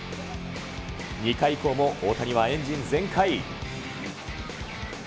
２回以降も大谷はエンジン全開。